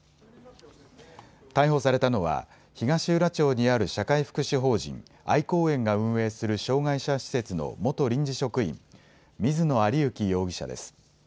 逮捕されたのは東浦町にある社会福祉法人愛光園が運営する障害者施設の元臨時職員、水野有幸容疑者です。